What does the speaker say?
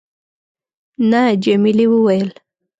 نه. جميلې وويل:.